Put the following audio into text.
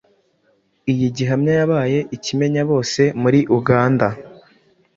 Iyi gihamya yabaye ikimenyabose muri Uganda,